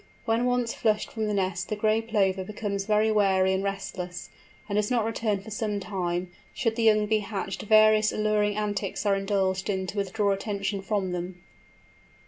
When once flushed from the nest the Gray Plover becomes very wary and restless, and does not return for some time; should the young be hatched various alluring antics are indulged in to withdraw attention from them.